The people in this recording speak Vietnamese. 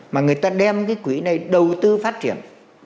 mà người ta đem cái quỹ này đầu tư phát triển